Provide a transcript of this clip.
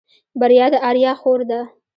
بريا د آريا خور ده.